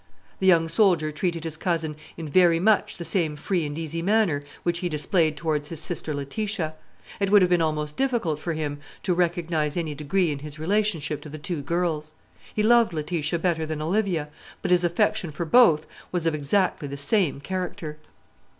The young soldier treated his cousin in very much the same free and easy manner which he displayed towards his sister Letitia. It would have been almost difficult for him to recognise any degree in his relationship to the two girls. He loved Letitia better than Olivia; but his affection for both was of exactly the same character.